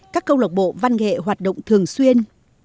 các câu lạc bộ văn nghệ hoạt động thường xuyên